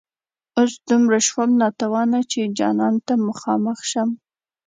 اوس دومره شوم ناتوانه چي جانان ته مخامخ شم